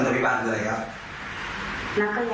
ทันตะวิบาลคืออะไรครับ